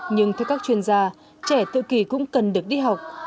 nhưng theo các chuyên gia trẻ tự kỳ cũng cần được đi học